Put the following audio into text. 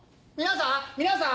⁉皆さん！